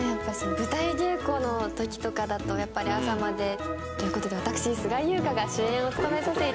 舞台稽古の時とかだとやっぱり朝まで。という事で私菅井友香が主演を務めさせて頂く舞台